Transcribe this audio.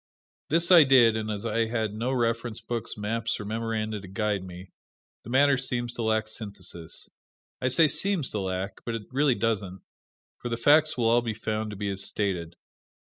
This I did, and as I had no reference books, maps or memoranda to guide me, the matter seems to lack synthesis. I say seems to lack but it really doesn't, for the facts will all be found to be as stated.